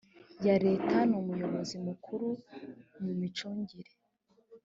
ya leta n umuyobozi mukuru mu micungire